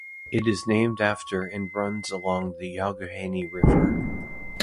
It is named after and runs along the Youghiogheny River.